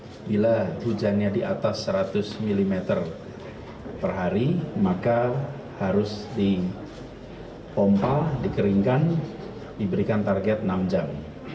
jadi bila hujannya di atas seratus mm per hari maka harus dipompa dikeringkan diberikan target enam jam